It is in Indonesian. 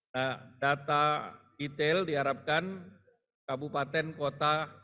nah data detail diharapkan kabupaten kota